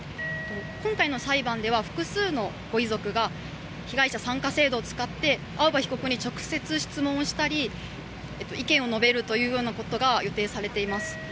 今回の裁判では複数のご遺族が被害者参加制度を使って青葉被告に直接質問をしたり意見を述べるというようなことが予定されています。